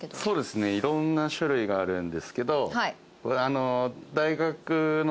そうですねいろんな種類があるんですけど。